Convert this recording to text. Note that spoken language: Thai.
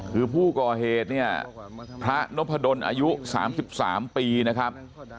คือผู้ก่อเหตุเนี่ยพระนพดลอายุ๓๓ปีนะครับ